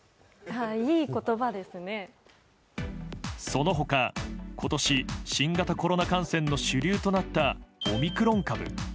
その他、今年新型コロナ感染の主流となったオミクロン株。